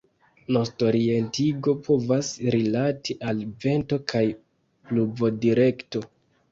Nestorientigo povas rilati al vento kaj pluvodirekto.